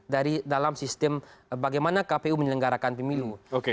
dari dalam sistem bagaimana kpu menyelenggarakan pemilu